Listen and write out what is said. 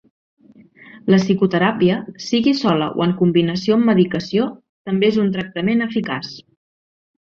La psicoteràpia, sigui sola o en combinació amb medicació, també és un tractament eficaç.